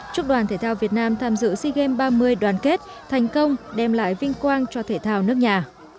chúc đoàn thể thao việt nam tham dự sea games ba mươi đoàn kết thành công đem lại vinh quang cho thể thao nước nhà